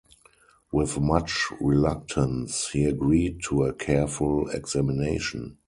With much reluctance he agreed to a careful examination.